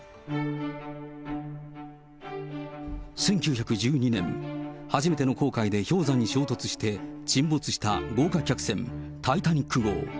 １９１２年、初めての航海で氷山に衝突して沈没した豪華客船、タイタニック号。